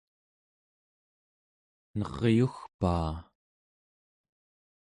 neryugpaa!